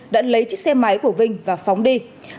đã lấy chiếc xe máy của vinh và phóng đi